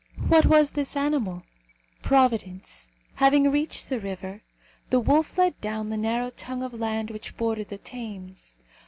What was this animal? Providence. Having reached the river, the wolf led down the narrow tongue of land which bordered the Thames.